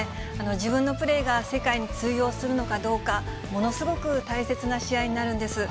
自分のプレーが世界に通用するのかどうか、ものすごく大切な試合になるんです。